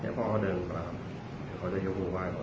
นี้พ่อเขาเดินกลางเดี๋ยวเขาจะเที่ยวพูดไว้ขอโทษ